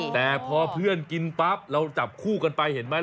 แต่พอเพื่อนกินปั๊บเราจับคู่กันไปเห็นไหม